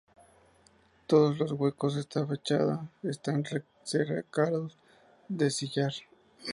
Todos los huecos de esta fachada están recercados de sillar.